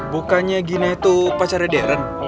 bukannya gina itu pacarnya dern